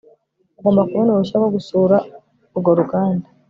Ugomba kubona uruhushya rwo gusura urwo ruganda